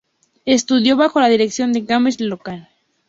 Estudió bajo la dirección de James Lockhart.